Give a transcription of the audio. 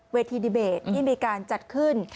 ดีเบตที่มีการจัดขึ้น